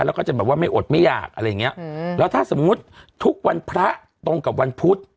แล้วก็จะแบบว่าไม่อดไม่อยากอะไรอย่างเงี้ยอืมแล้วถ้าสมมุติทุกวันพระตรงกับวันพุธ